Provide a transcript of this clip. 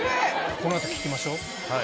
この後聞きましょう。